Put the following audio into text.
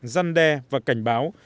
răn đe và cảnh báo